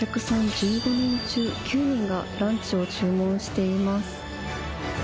１５人中９人がランチを注文しています。